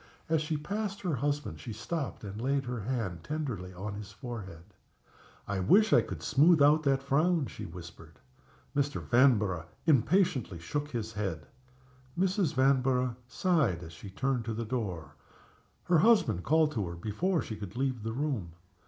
As she passed her husband she stopped and laid her hand tenderly on his forehead. "I wish I could smooth out that frown!" she whispered. Mr. Vanborough impatiently shook his head. Mrs. Vanborough sighed as she turned to the door. Her husband called to her before she could leave the room.